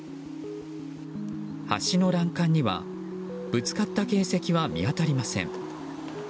橋の欄干には、ぶつかった形跡は見当たりません。